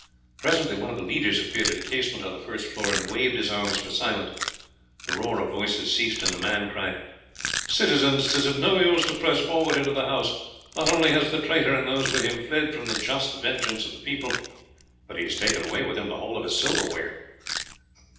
Presently one of the leaders appeared at a casement on the first floor and waved his arms for silence. The roar of voices ceased and the man cried: "Citizens, 'tis of no use to press forward into the house, not only has the traitor and those with him fled from the just vengeance of the people, but he has taken away with him the whole of his silverware."